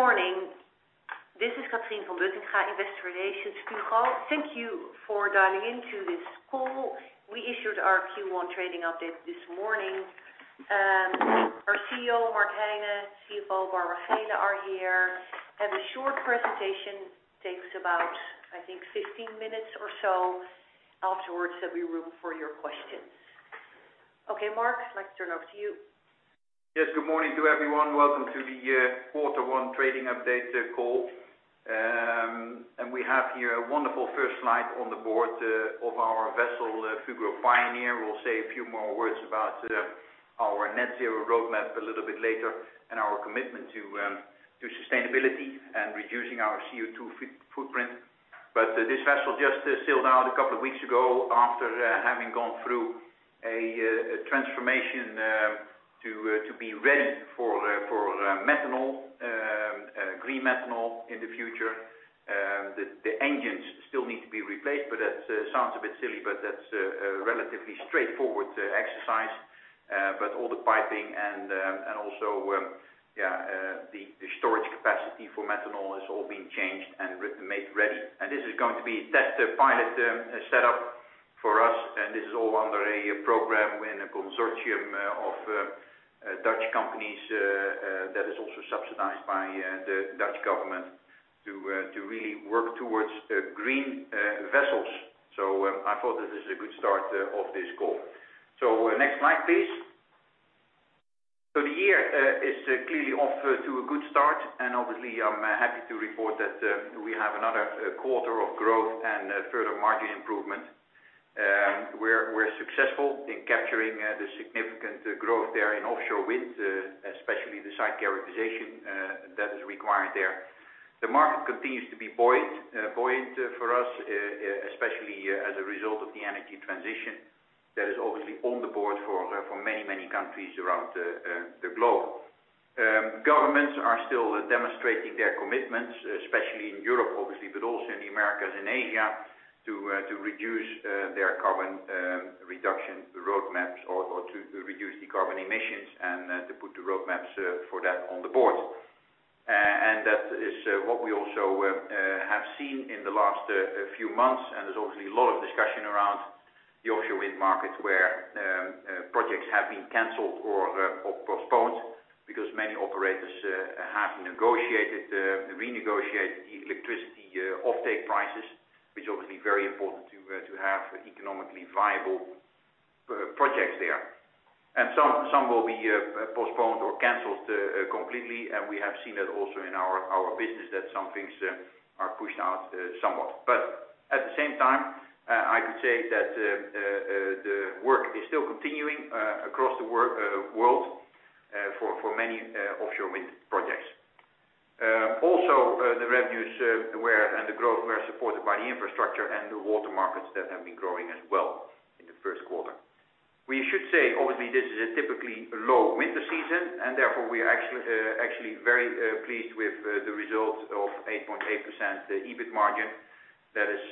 Good morning. This is Catrien van Buttingha Wichers, Investor Relations, Fugro. Thank you for dialing into this call. We issued our Q1 Trading Update this morning. Our CEO, Mark Heine, CFO, Barbara Geelen, are here. We have a short presentation. It will take us about, I think, 15 minutes or so. Afterwards, there'll be room for your questions. Okay, Mark, I'd like to turn over to you. Yes, good morning to everyone. Welcome to the Quarter One Trading Update Call. And we have here a wonderful first slide on the board of our vessel, Fugro Pioneer. We'll say a few more words about our net zero roadmap a little bit later and our commitment to sustainability and reducing our CO2 footprint. But this vessel just sailed out a couple of weeks ago after having gone through a transformation to be ready for green methanol in the future. The engines still need to be replaced, but that sounds a bit silly, but that's a relatively straightforward exercise. But all the piping and also the storage capacity for methanol is all being changed and remade ready. This is going to be a test pilot setup for us, and this is all under a program in a consortium of Dutch companies that is also subsidized by the Dutch government to really work towards green vessels. So, I thought this is a good start of this call. So, next slide, please. So the year is clearly off to a good start, and obviously, I'm happy to report that we have another quarter of growth and further margin improvement. We're successful in capturing the significant growth there in offshore wind, especially the site characterization that is required there. The market continues to be buoyant for us, especially as a result of the energy transition that is obviously on the board for many countries around the globe. Governments are still demonstrating their commitments, especially in Europe, obviously, but also in the Americas and Asia to reduce their carbon reduction roadmaps or to reduce carbon emissions and to put the roadmaps for that on the board. And that is what we also have seen in the last few months, and there's obviously a lot of discussion around the offshore wind market where projects have been canceled or postponed because many operators have negotiated, renegotiated the electricity offtake prices, which is obviously very important to have economically viable projects there. And some will be postponed or canceled completely, and we have seen that also in our business, that some things are pushed out somewhat. But at the same time, I could say that the work is still continuing across the world for many offshore wind projects. Also, the revenues, where the growth were supported by the infrastructure and the water markets that have been growing as well in the first quarter. We should say, obviously, this is a typically low winter season, and therefore we are actually very pleased with the results of 8.8% EBIT margin that is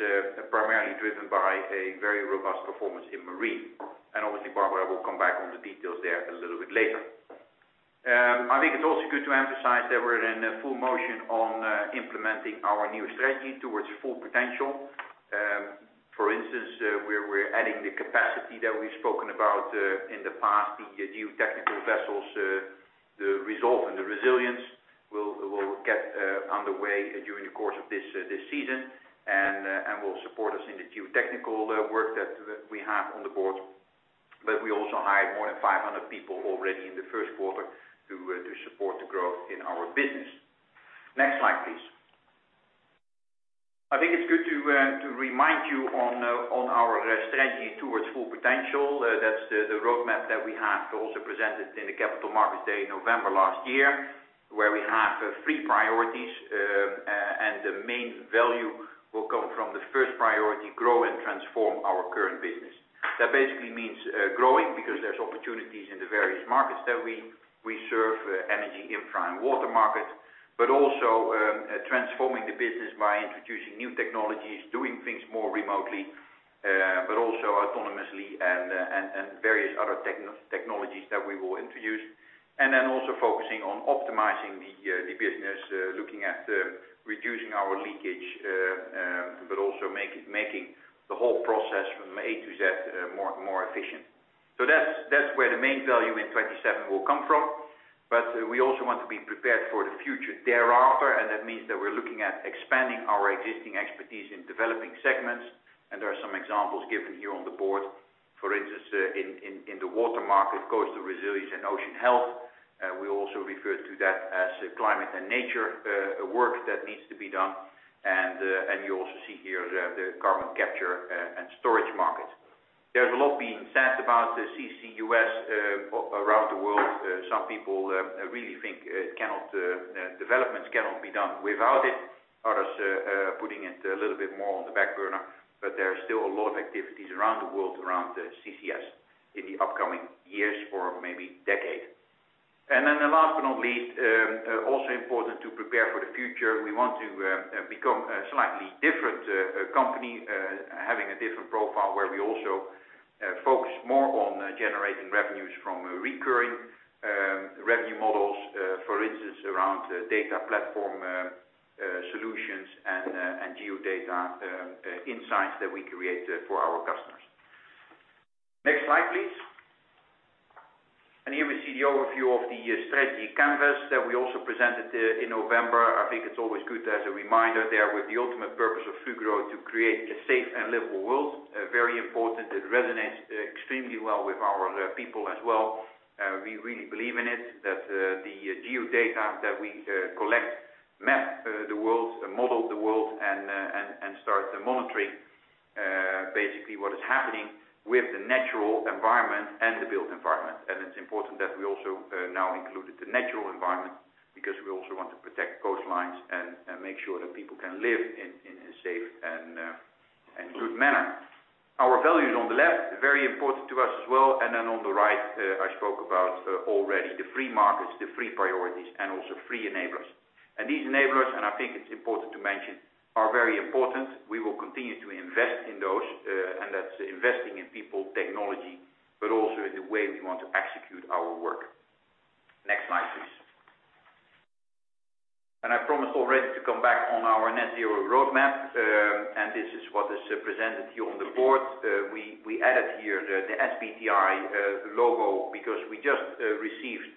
primarily driven by a very robust performance in marine. And obviously, Barbara will come back on the details there a little bit later. I think it's also good to emphasize that we're in full motion on implementing our new strategy Towards Full Potential. For instance, we're adding the capacity that we've spoken about in the past, the geotechnical vessels, the Resolve and the Resilience will get underway during the course of this season, and will support us in the geotechnical work that we have on the board. But we also hired more than 500 people already in the first quarter to support the growth in our business. Next slide, please. I think it's good to remind you on our strategy Towards Full Potential. That's the roadmap that we have also presented in the Capital Markets Day in November last year, where we have three priorities, and the main value will come from the first priority, grow and transform our current business. That basically means, growing because there's opportunities in the various markets that we serve, energy, infra, and water markets, but also, transforming the business by introducing new technologies, doing things more remotely, but also autonomously, and various other technologies that we will introduce. And then also focusing on optimizing the business, looking at reducing our leakage, but also making the whole process from A to Z more efficient. So that's where the main value in 2027 will come from. But we also want to be prepared for the future thereafter, and that means that we're looking at expanding our existing expertise in developing segments. And there are some examples given here on the board. For instance, in the water market, coastal resilience, and ocean health. We also refer to that as climate and nature work that needs to be done. And you also see here the carbon capture and storage markets. There's a lot being said about the CCUS around the world. Some people really think it cannot, developments cannot be done without it, others putting it a little bit more on the back burner. But there are still a lot of activities around the world around the CCS in the upcoming years or maybe decade. And then the last but not least, also important to prepare for the future, we want to become slightly different company, having a different profile where we also focus more on generating revenues from recurring revenue models, for instance, around data platform solutions and geodata insights that we create for our customers. Next slide, please. And here we see the overview of the strategy canvas that we also presented in November. I think it's always good as a reminder there with the ultimate purpose of Fugro to create a safe and livable world. Very important. It resonates extremely well with our people as well. We really believe in it, that the geodata that we collect map the world, model the world, and start monitoring basically what is happening with the natural environment and the built environment. And it's important that we also now include the natural environment because we also want to protect coastlines and make sure that people can live in a safe and good manner. Our values on the left, very important to us as well, and then on the right, I spoke about already the three markets, the three priorities, and also three enablers. And these enablers, and I think it's important to mention, are very important. We will continue to invest in those, and that's investing in people, technology, but also in the way we want to execute our work. Next slide, please. I promised already to come back on our net zero roadmap, and this is what is presented here on the board. We added here the SBTi logo because we just received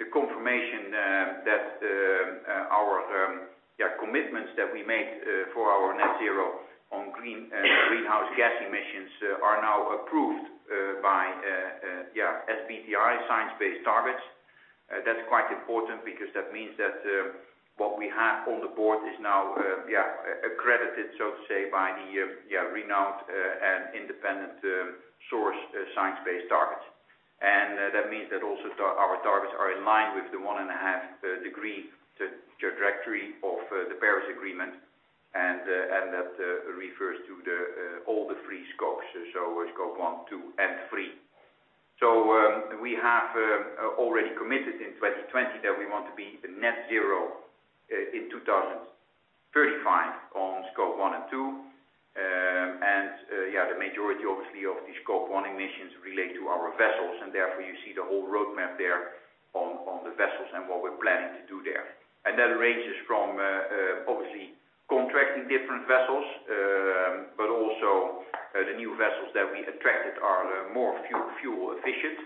the confirmation that our commitments that we made for our net zero on greenhouse gas emissions are now approved by SBTi Science Based Targets. That's quite important because that means that what we have on the board is now accredited, so to say, by the renowned and independent source Science Based Targets. And that means that also that our targets are in line with the 1.5-degree trajectory of the Paris Agreement, and that refers to all three scopes, so Scope 1, 2, and 3. So we have already committed in 2020 that we want to be net zero in 2035 on Scope 1 and 2. and, yeah, the majority, obviously, of the Scope 1 emissions relate to our vessels, and therefore you see the whole roadmap there on the vessels and what we're planning to do there. And that ranges from, obviously, contracting different vessels, but also the new vessels that we attracted are more fuel efficient.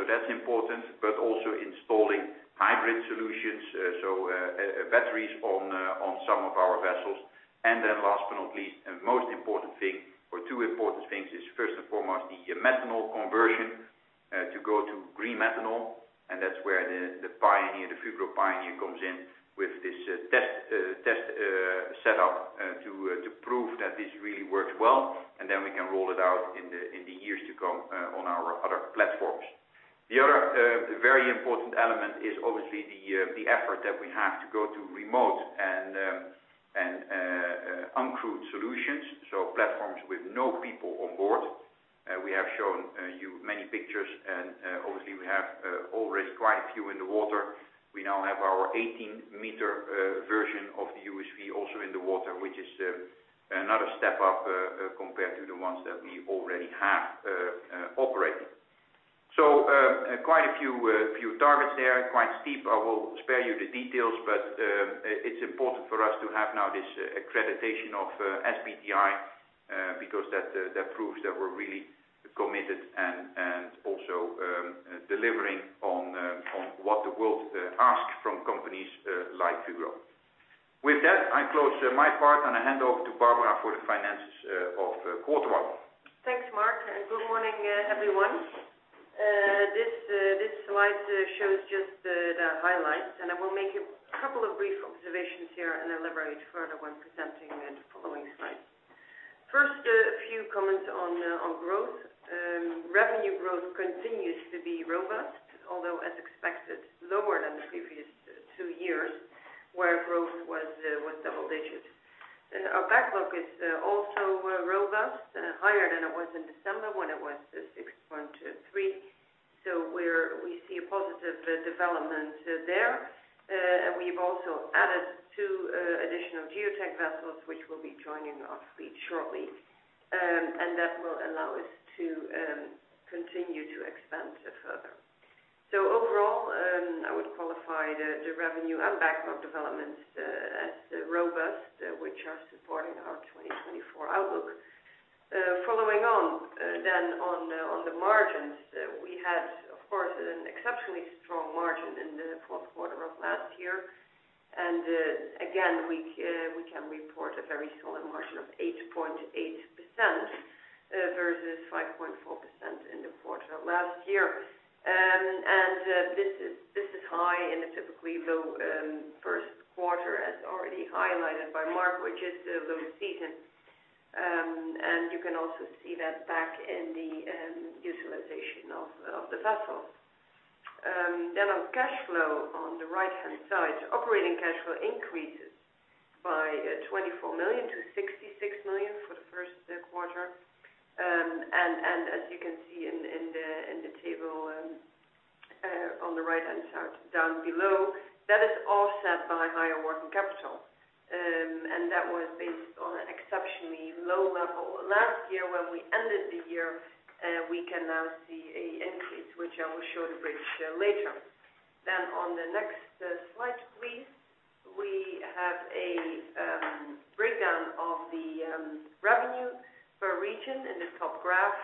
So that's important, but also installing hybrid solutions, so batteries on some of our vessels. And then last but not least, and most important thing, or two important things, is first and foremost the methanol conversion to go to green methanol. And that's where the pioneer, the Fugro Pioneer, comes in with this test setup to prove that this really works well, and then we can roll it out in the years to come on our other platforms. The other very important element is obviously the effort that we have to go to remote and uncrewed solutions, so platforms with no people on board. We have shown you many pictures, and obviously, we have already quite a few in the water. We now have our 18 m version of the USV also in the water, which is another step up compared to the ones that we already have operating. So, quite a few targets there, quite steep. I will spare you the details, but it's important for us to have now this accreditation of SBTi, because that proves that we're really committed and also delivering on what the world asks from companies like Fugro. With that, I close my part, and I hand over to Barbara for the finances of quarter one. Thanks, Mark, and good morning, everyone. This slide shows just the highlights, and I will make a couple of brief observations here and elaborate further when presenting the following slides. First, a few comments on growth. Revenue growth continues to be robust, although, as expected, lower than the previous two years, where growth was double-digit. Our backlog is also robust, higher than it was in December when it was 6.3%. We see a positive development there. We've also added two additional geotech vessels, which will be joining our fleet shortly, and that will allow us to continue to expand further. Overall, I would qualify the revenue and backlog developments as robust, which are supporting our 2024 outlook. Following on the margins, we had, of course, an exceptionally strong margin in the fourth quarter of last year. And, again, we can report a very solid margin of 8.8%, versus 5.4% in the quarter of last year. This is high in a typically low first quarter, as already highlighted by Mark, which is low season. You can also see that back in the utilization of the vessels. Then on cash flow on the right-hand side, operating cash flow increases by 24 million to EUR 66 million for the first quarter. And as you can see in the table on the right-hand side down below, that is offset by higher working capital. And that was based on an exceptionally low level last year, when we ended the year, we can now see an increase, which I will show the bridge later. Then, on the next slide, please, we have a breakdown of the revenue per region in the top graph,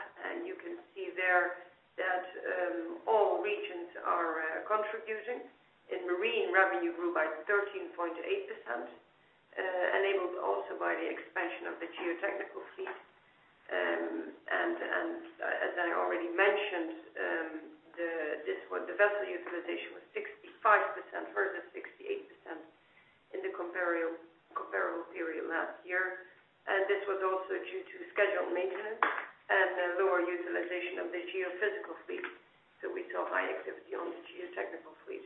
and you can see there that all regions are contributing. In marine, revenue grew by 13.8%, enabled also by the expansion of the geotechnical fleet. And, as I already mentioned, the vessel utilization was 65% versus 68% in the comparable period last year. And this was also due to scheduled maintenance and lower utilization of the geophysical fleet, so we saw high activity on the geotechnical fleet.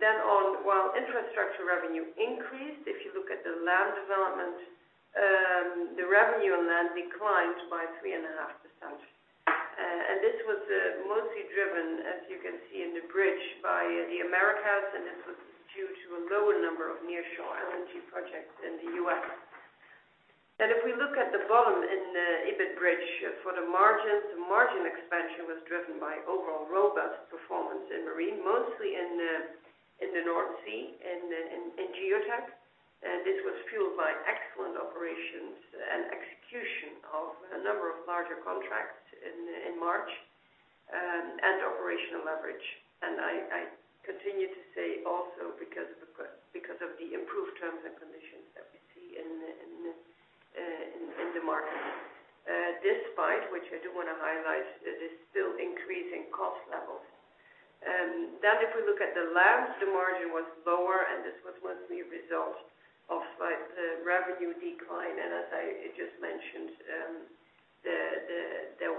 Then, while infrastructure revenue increased, if you look at the land development, the revenue on land declined by 3.5%. And this was mostly driven, as you can see in the bridge, by the Americas, and this was due to a lower number of nearshore LNG projects in the U.S. And if we look at the bottom in the EBIT bridge, for the margins, the margin expansion was driven by overall robust performance in marine, mostly in the North Sea and in geotech. This was fueled by excellent operations and execution of a number of larger contracts in March, and operational leverage. And I continue to say also because of the improved terms and conditions that we see in the markets, despite, which I do want to highlight, this still increasing cost levels. If we look at the land, the margin was lower, and this was mostly a result of, like, the revenue decline. And as I just mentioned, there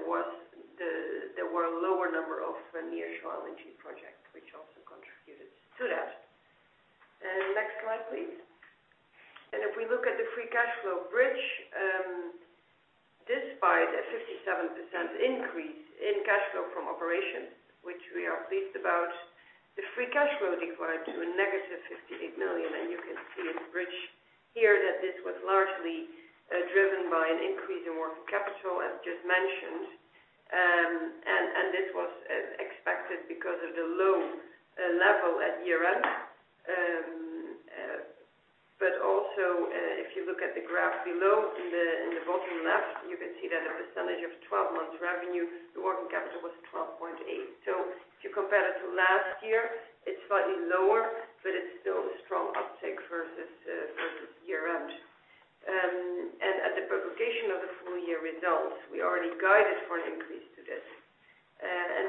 were a lower number of nearshore LNG projects, which also contributed to that. Next slide, please. If we look at the free cash flow bridge, despite a 57% increase in cash flow from operations, which we are pleased about, the free cash flow declined to a -58 million. You can see in the bridge here that this was largely driven by an increase in working capital, as just mentioned. And this was expected because of the low level at year-end. But also, if you look at the graph below, in the bottom left, you can see that as a percentage of 12-month revenue, the working capital was 12.8%. So if you compare it to last year, it's slightly lower, but it's still a strong uptake versus year-end. And at the publication of the full-year results, we already guided for an increase to this.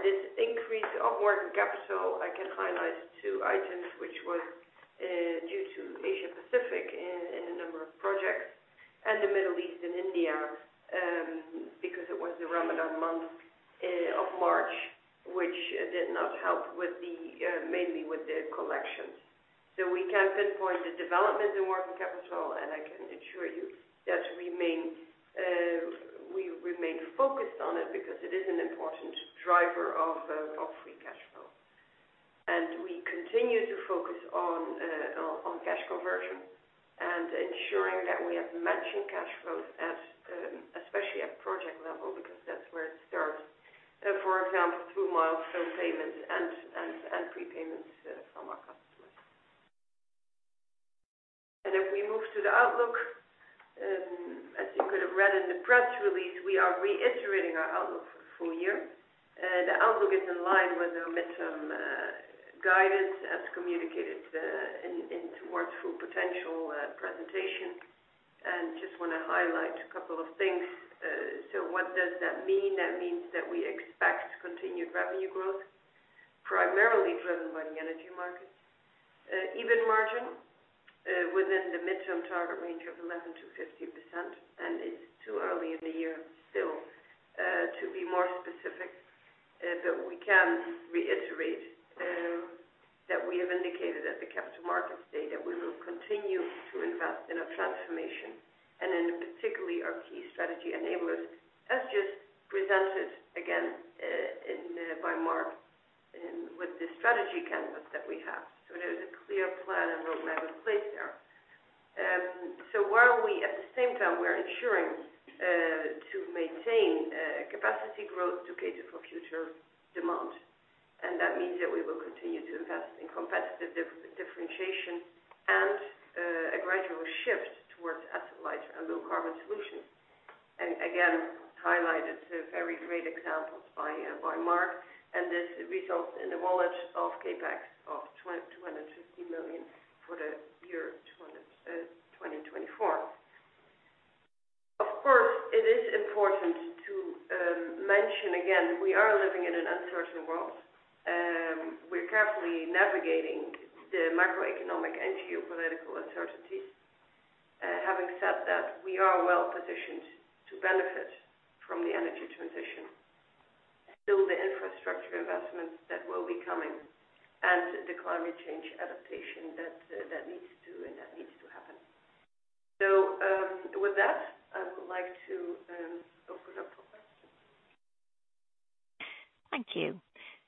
This increase of working capital, I can highlight two items, which was due to Asia-Pacific, in a number of projects, and the Middle East and India, because it was the Ramadan month of March, which did not help with mainly the collections. So we can pinpoint the developments in working capital, and I can assure you that we remain focused on it because it is an important driver of free cash flow. And we continue to focus on cash conversion and ensuring that we have matching cash flows at especially at project level because that's where it starts, for example, through milestone payments and prepayments from our customers. And if we move to the outlook, as you could have read in the press release, we are reiterating our outlook for the full year. The outlook is in line with our midterm guidance, as communicated in Towards Full Potential presentation. Just want to highlight a couple of things. What does that mean? That means that we expect continued revenue growth, primarily driven by the energy markets, EBIT margin within the midterm target range of 11%-15%. It's too early in the year still to be more specific, but we can reiterate that we have indicated at the Capital Markets Day that we will continue to invest in our transformation and in particularly our key strategy enablers, as just presented again in by Mark with the strategy canvas that we have. There's a clear plan and roadmap in place there. While we at the same time we're ensuring to maintain capacity growth to cater for future demand. And that means that we will continue to invest in competitive differentiation and a gradual shift towards asset lighter and low-carbon solutions. And again, highlighted very great examples by Mark, and this results in the level of CapEx of 250 million for the year 2024. Of course, it is important to mention again, we are living in an uncertain world. We're carefully navigating the macroeconomic and geopolitical uncertainties. Having said that, we are well-positioned to benefit from the energy transition, still the infrastructure investments that will be coming, and the climate change adaptation that needs to happen. So, with that, I would like to open up for questions. Thank you.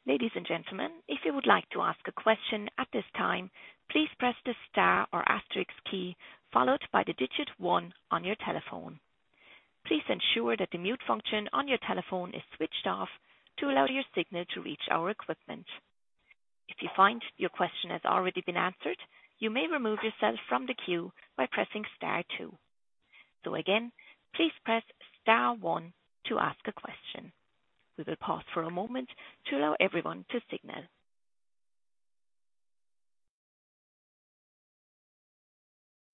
Ladies and gentlemen, if you would like to ask a question at this time, please press the star or asterisk key followed by the digit one on your telephone. Please ensure that the mute function on your telephone is switched off to allow your signal to reach our equipment. If you find your question has already been answered, you may remove yourself from the queue by pressing star two. So again, please press star one to ask a question. We will pause for a moment to allow everyone to signal.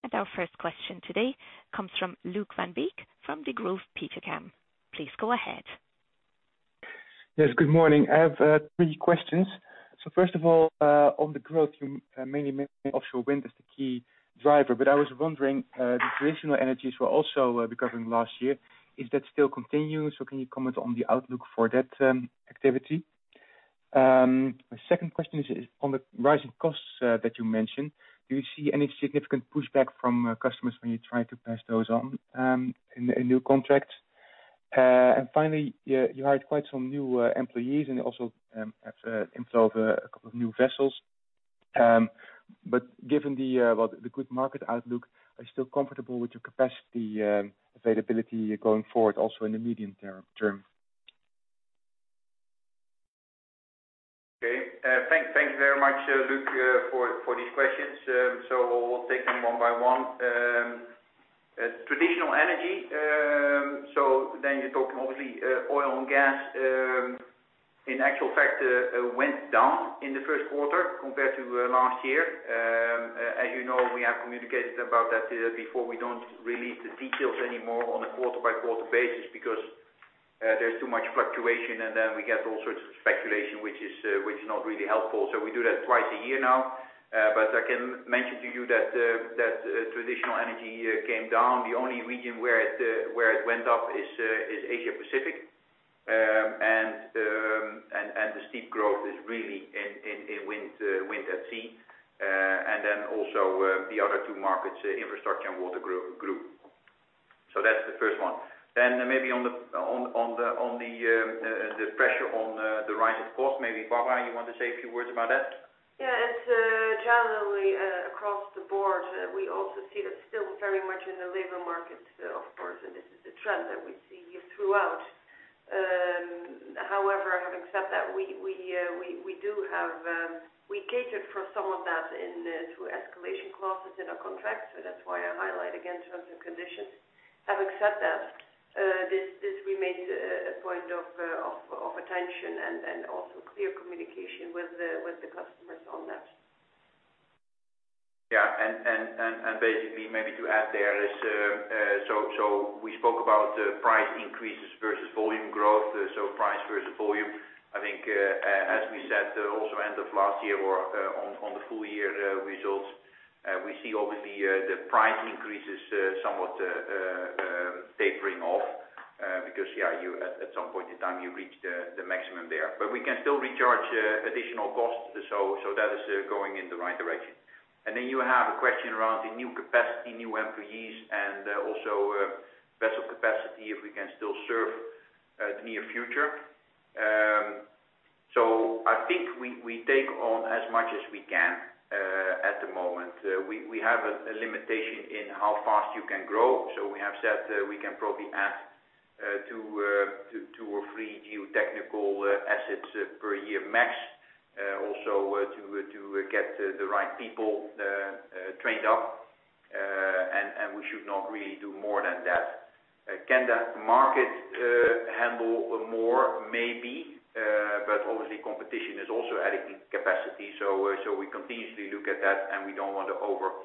And our first question today comes from Luuk van Beek from Degroof Petercam. Please go ahead. Yes, good morning. I have three questions. So first of all, on the growth, you mainly offshore wind is the key driver, but I was wondering, the traditional energies were also recovering last year. Is that still continuing? So can you comment on the outlook for that activity? My second question is on the rising costs that you mentioned. Do you see any significant pushback from customers when you try to pass those on in new contracts? And finally, you hired quite some new employees, and you also have inflow of a couple of new vessels. But given well, the good market outlook, are you still comfortable with your capacity availability going forward, also in the medium term? Okay. Thank you very much, Luuk, for these questions. So we'll take them one by one. Traditional energy, so then you're talking obviously oil and gas. In actual fact, went down in the first quarter compared to last year. As you know, we have communicated about that before. We don't release the details anymore on a quarter-by-quarter basis because there's too much fluctuation, and then we get all sorts of speculation, which is not really helpful. So we do that twice a year now. But I can mention to you that traditional energy came down. The only region where it went up is Asia-Pacific. And the steep growth is really in wind at sea. And then also, the other two markets, infrastructure and water, grew. So that's the first one. Then maybe on the pressure on the rise of costs, maybe, Barbara, you want to say a few words about that? Yeah. It's generally across the board, we also see that still very much in the labor market, of course, and this is a trend that we see throughout. However, having said that, we do have catered for some of that in through escalation clauses in our contracts, so that's why I highlight again terms and conditions. Having said that, this remains a point of attention and also clear communication with the customers on that. Yeah. Basically, maybe to add there is, so we spoke about price increases versus volume growth, so price versus volume. I think, as we said, also end of last year or on the full-year results, we see obviously the price increases somewhat tapering off, because yeah, you at some point in time you reach the maximum there. But we can still recharge additional costs, so that is going in the right direction. And then you have a question around the new capacity, new employees, and also vessel capacity, if we can still serve the near future. So I think we take on as much as we can at the moment. We have a limitation in how fast you can grow, so we have said we can probably add two or three geotechnical assets per year max, also to get the right people trained up. And we should not really do more than that. Can the market handle more, maybe, but obviously, competition is also adding capacity, so we continuously look at that, and we don't want to overflood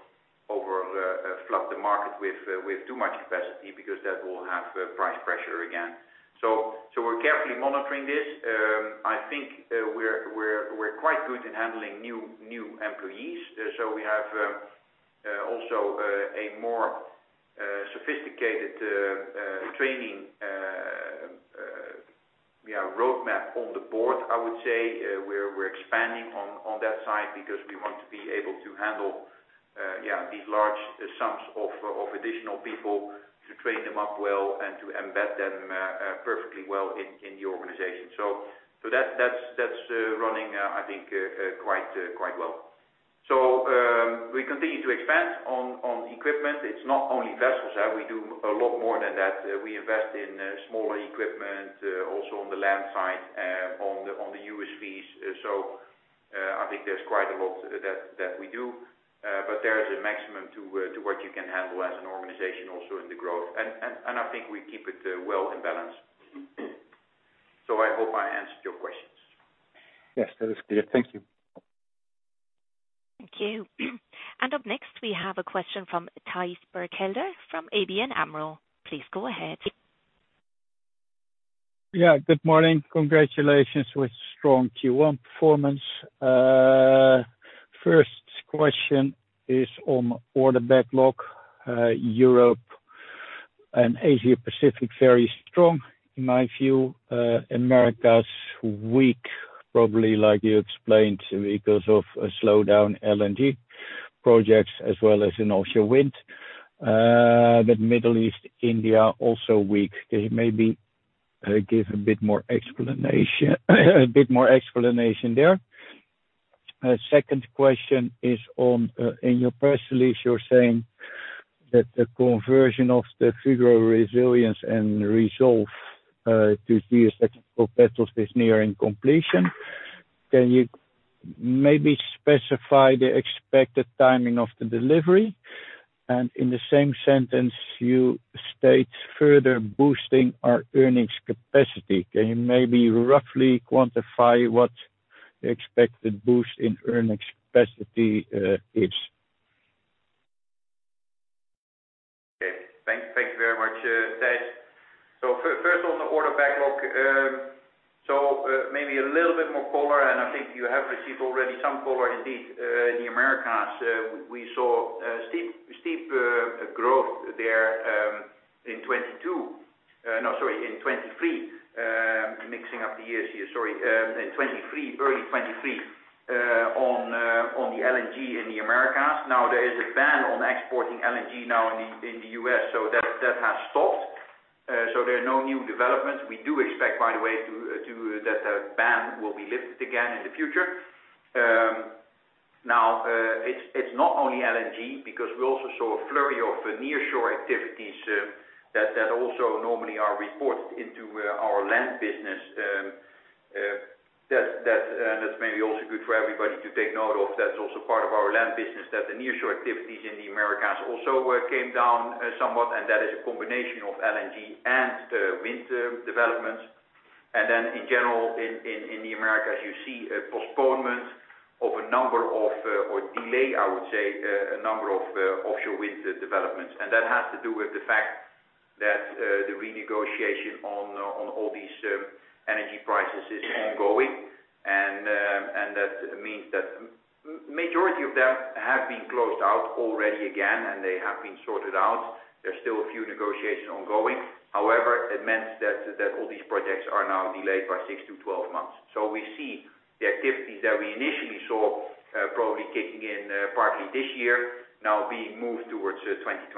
the market with too much capacity because that will have price pressure again. So we're carefully monitoring this. I think, we're quite good in handling new employees, so we have also a more sophisticated training roadmap on the board, I would say, we're expanding on that side because we want to be able to handle these large sums of additional people to train them up well and to embed them perfectly well in the organization. So, that that's running, I think, quite well. So, we continue to expand on equipment. It's not only vessels, huh? We do a lot more than that. We invest in smaller equipment, also on the land side, on the USVs. So, I think there's quite a lot that we do. But there's a maximum to what you can handle as an organization also in the growth. I think we keep it well in balance. So I hope I answered your questions. Yes, that is clear. Thank you. Thank you. Up next, we have a question from Thijs Berkelder from ABN AMRO. Please go ahead. Yeah. Good morning. Congratulations with strong Q1 performance. First question is on order backlog. Europe and Asia-Pacific very strong in my view. Americas weak, probably, like you explained, because of slowdown LNG projects as well as in offshore wind. The Middle East, India also weak. Can you maybe give a bit more explanation there? Second question is on in your press release, you're saying that the conversion of the Fugro Resilience and Resolve to geotechnical vessels is nearing completion. Can you maybe specify the expected timing of the delivery? And in the same sentence, you state further boosting our earnings capacity. Can you maybe roughly quantify what the expected boost in earnings capacity is? Okay. Thank you very much, Thijs. So first on the order backlog, so, maybe a little bit more color, and I think you have received already some color indeed, in the Americas. We saw steep growth there, in 2022. No, sorry, in 2023, mixing up the years here. Sorry. In 2023, early 2023, on the LNG in the Americas. Now, there is a ban on exporting LNG now in the U.S., so that has stopped. So there are no new developments. We do expect, by the way, that ban will be lifted again in the future. Now, it's not only LNG because we also saw a flurry of nearshore activities that also normally are reported into our land business. That and that's maybe also good for everybody to take note of. That's also part of our land business, that the nearshore activities in the Americas also came down somewhat, and that is a combination of LNG and wind developments. And then in general, in the Americas, you see a postponement of a number of, or delay, I would say, a number of offshore wind developments. And that has to do with the fact that the renegotiation on all these energy prices is ongoing, and that means that majority of them have been closed out already again, and they have been sorted out. There's still a few negotiations ongoing. However, it means that all these projects are now delayed by 6-12 months. So we see the activities that we initially saw probably kicking in partly this year now being moved towards 2025.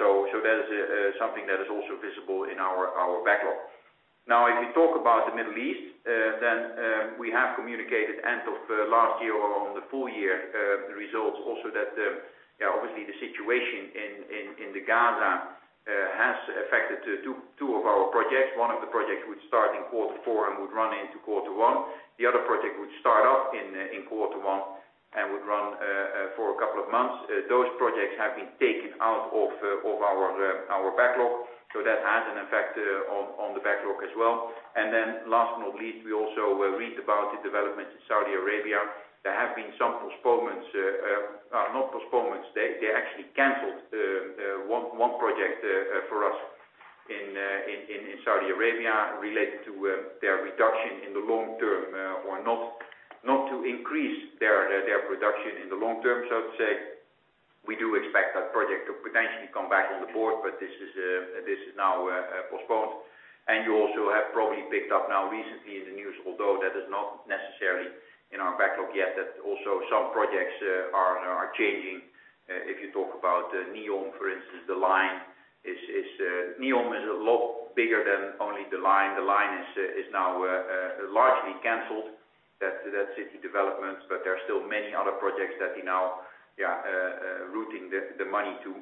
So that is something that is also visible in our backlog. Now, if you talk about the Middle East, then we have communicated end of last year or on the full-year results also that, yeah, obviously, the situation in Gaza has affected two of our projects. One of the projects would start in quarter four and would run into quarter one. The other project would start off in quarter one and would run for a couple of months. Those projects have been taken out of our backlog, so that has an effect on the backlog as well. And then last but not least, we also read about the developments in Saudi Arabia. There have been some postponements, well, not postponements. They actually canceled one project for us in Saudi Arabia related to their reduction in the long term, or not to increase their production in the long term, so to say. We do expect that project to potentially come back on the board, but this is now postponed. You also have probably picked up now recently in the news, although that is not necessarily in our backlog yet, that also some projects are changing. If you talk about NEOM, for instance, the Line is, NEOM is a lot bigger than only the Line. The Line is now largely canceled. That's city developments, but there are still many other projects that we now yeah rerouting the money to.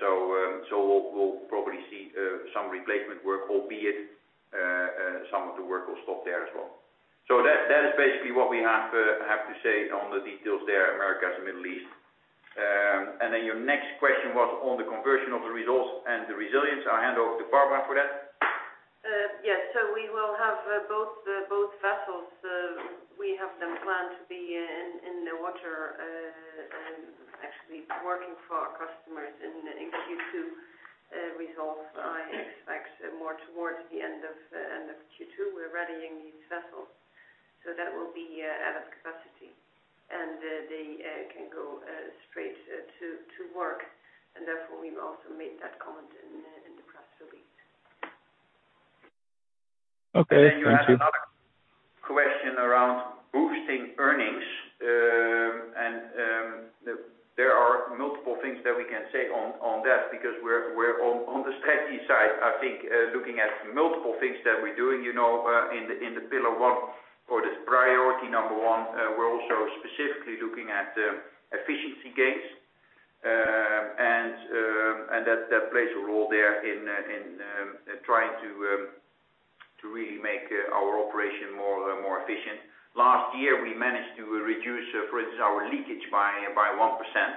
So we'll probably see some replacement work, albeit some of the work will stop there as well. So that is basically what we have to say on the details there, Americas, Middle East. And then your next question was on the conversion of the Resolve and the Resilience. I hand over to Barbara for that. Yes. So we will have both vessels; we have them planned to be in the water, actually working for our customers in Q2. Resolve, I expect, more towards the end of Q2. We're readying these vessels, so that will be out of capacity, and they can go straight to work. And therefore, we've also made that comment in the press release. Okay. Thank you. And then you had another question around boosting earnings. There are multiple things that we can say on that because we're on the strategy side. I think, looking at multiple things that we're doing, you know, in the pillar one or the priority number one. We're also specifically looking at efficiency gains. And that plays a role there in trying to really make our operation more efficient. Last year, we managed to reduce, for instance, our leakage by 1%.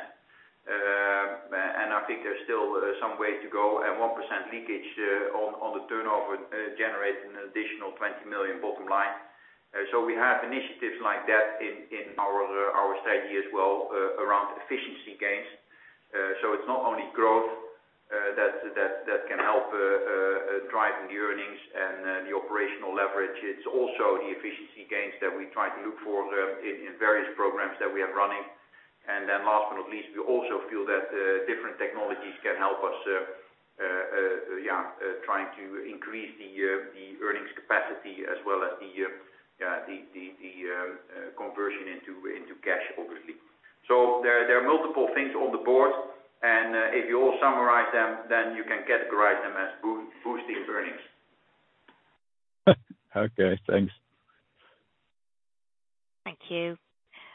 And I think there's still some ways to go. And 1% leakage on the turnover generates an additional 20 million bottom line. So we have initiatives like that in our strategy as well, around efficiency gains. So it's not only growth that can help driving the earnings and the operational leverage. It's also the efficiency gains that we try to look for in various programs that we have running. And then last but not least, we also feel that different technologies can help us, yeah, trying to increase the earnings capacity as well as the conversion into cash, obviously. So there are multiple things on the board, and if you all summarize them, then you can categorize them as boosting earnings. Okay. Thanks. Thank you.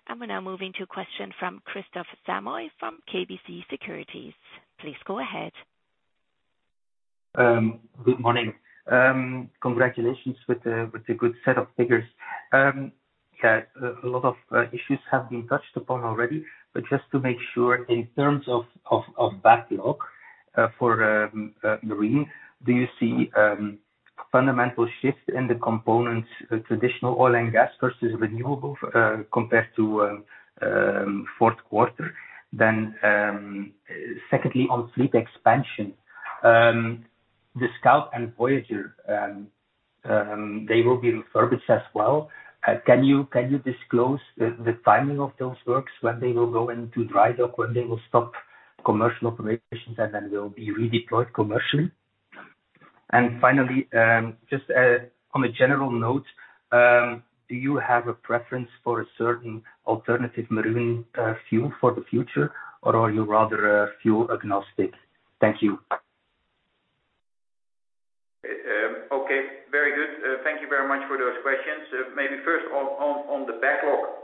And we're now moving to a question from Kristof Samoy from KBC Securities. Please go ahead. Good morning. Congratulations with a good set of figures. Yeah, a lot of issues have been touched upon already, but just to make sure, in terms of backlog for marine, do you see fundamental shift in the components, traditional oil and gas versus renewable, compared to fourth quarter? Then, secondly, on fleet expansion, the Scout and Voyager, they will be refurbished as well. Can you disclose the timing of those works, when they will go into dry dock, when they will stop commercial operations, and then will be redeployed commercially? And finally, just on a general note, do you have a preference for a certain alternative marine fuel for the future, or are you rather fuel agnostic? Thank you. Okay. Very good. Thank you very much for those questions. Maybe first on the backlog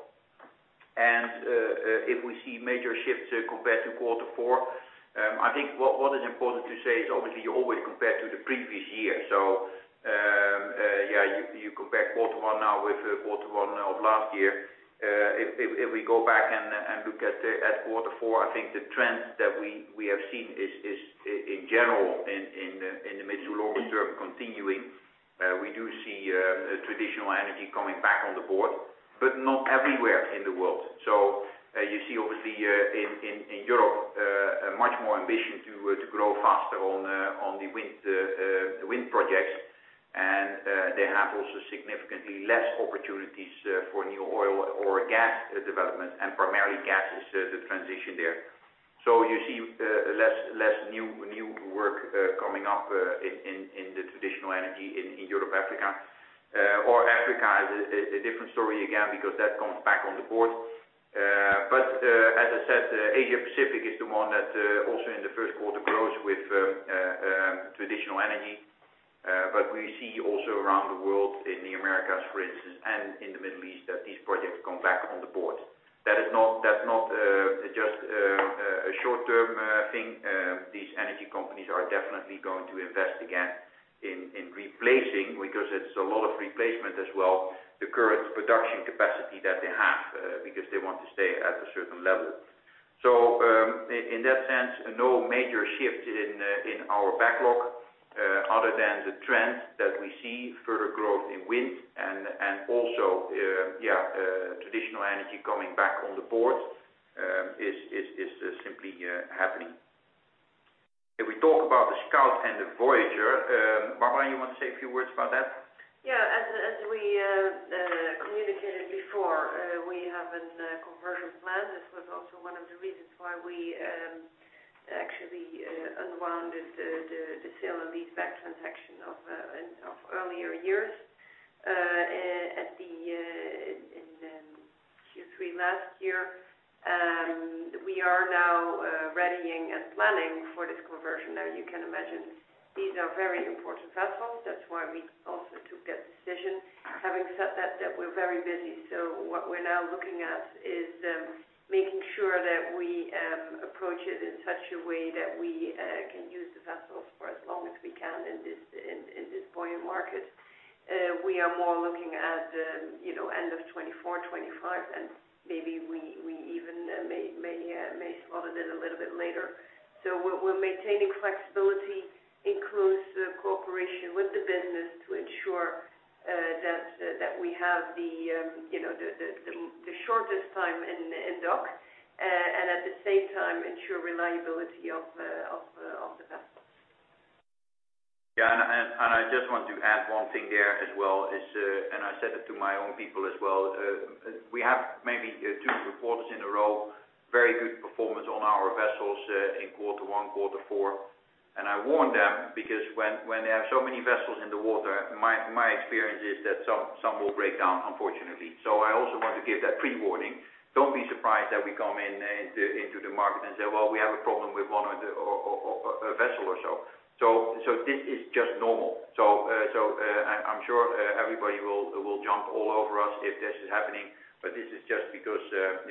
and if we see major shifts compared to quarter four. I think what is important to say is, obviously, you always compare to the previous year. So, yeah, you compare quarter one now with quarter one of last year. If we go back and look at quarter four, I think the trend that we have seen is, in general, in the mid to longer term continuing. We do see traditional energy coming back on the board, but not everywhere in the world. So, you see, obviously, in Europe, a much more ambition to grow faster on the wind projects. And they have also significantly less opportunities for new oil or gas developments, and primarily gas is the transition there. So you see less new work coming up in the traditional energy in Europe-Africa. Or Africa is a different story again because that comes back on the board. But as I said, Asia-Pacific is the one that also in the first quarter grows with traditional energy. But we see also around the world in the Americas, for instance, and in the Middle East, that these projects come back on the board. That is not. That's not just a short-term thing. These energy companies are definitely going to invest again in replacing because it's a lot of replacement as well, the current production capacity that they have, because they want to stay at a certain level. So, in that sense, no major shift in our backlog, other than the trend that we see, further growth in wind and also, yeah, traditional energy coming back on the board, is simply happening. If we talk about the Scout and the Voyager, Barbara, you want to say a few words about that? Yeah. As we communicated before, we have a conversion plan. This was also one of the reasons why we actually unwound the sale and lease-back transaction from earlier years in Q3 last year. We are now readying and planning for this conversion. Now, you can imagine, these are very important vessels. That's why we also took that decision. Having said that, we're very busy. So what we're now looking at is making sure that we approach it in such a way that we can use the vessels for as long as we can in this buoyant market. We are more looking at, you know, end of 2024, 2025, and maybe we even may slot it in a little bit later. So we're maintaining flexibility, including cooperation with the business to ensure that we have, you know, the shortest time in dock, and at the same time, ensure reliability of the vessels. Yeah. And I just want to add one thing there as well, as I said it to my own people as well. We have maybe two quarters in a row, very good performance on our vessels, in quarter one, quarter four. And I warn them because when they have so many vessels in the water, my experience is that some will break down, unfortunately. So I also want to give that pre-warning. Don't be surprised that we come into the market and say, "Well, we have a problem with one of our vessels or so." So this is just normal. So, I'm sure everybody will jump all over us if this is happening, but this is just because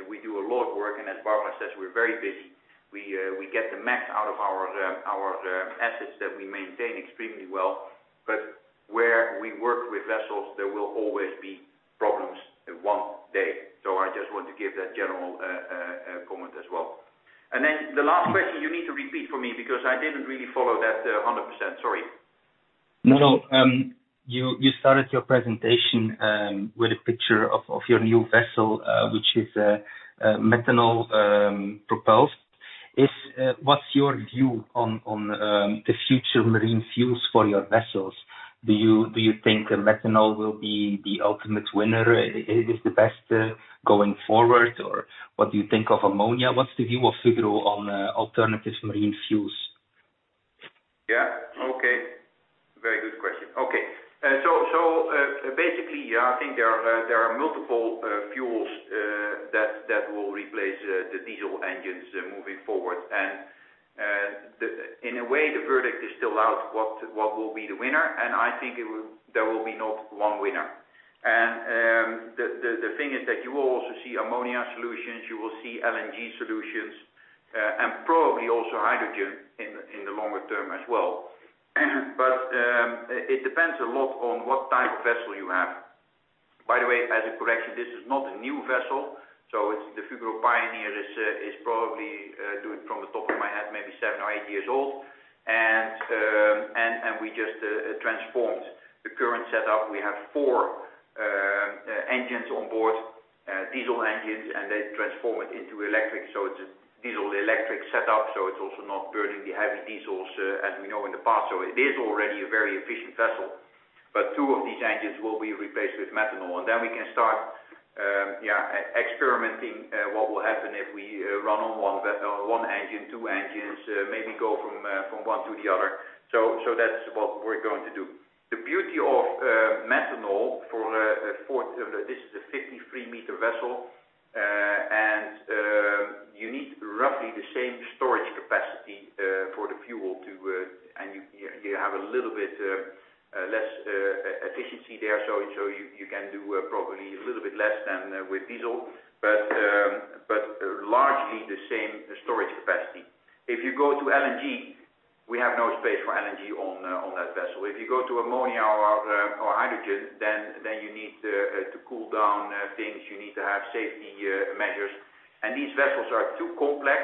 we do a lot of work, and as Barbara says, we're very busy. We get the max out of our assets that we maintain extremely well. But where we work with vessels, there will always be problems one day. So I just want to give that general comment as well. And then the last question, you need to repeat for me because I didn't really follow that 100%. Sorry. No, no. You started your presentation with a picture of your new vessel, which is methanol propelled. What's your view on the future marine fuels for your vessels? Do you think methanol will be the ultimate winner? Is the best going forward, or what do you think of ammonia? What's the view of Fugro on alternative marine fuels? Yeah. Okay. Very good question. Okay. So basically, yeah, I think there are multiple fuels that will replace the diesel engines moving forward. And in a way, the verdict is still out what will be the winner, and I think there will be not one winner. And the thing is that you will also see ammonia solutions. You will see LNG solutions, and probably also hydrogen in the longer term as well. But it depends a lot on what type of vessel you have. By the way, as a correction, this is not a new vessel, so it's the Fugro Pioneer, probably from the top of my head, maybe seven or eight years old. And we just transformed the current setup. We have four engines on board, diesel engines, and they transform it into electric. So it's a diesel-electric setup, so it's also not burning the heavy diesels, as we know in the past. So it is already a very efficient vessel, but two of these engines will be replaced with methanol. And then we can start, yeah, experimenting, what will happen if we run on one or on one engine, two engines, maybe go from one to the other. So that's what we're going to do. The beauty of methanol for Fugro. This is a 53 m vessel, and you need roughly the same storage capacity for the fuel too, and you have a little bit less efficiency there, so you can do probably a little bit less than with diesel, but largely the same storage capacity. If you go to LNG, we have no space for LNG on that vessel. If you go to ammonia or hydrogen, then you need to cool down things. You need to have safety measures. And these vessels are too complex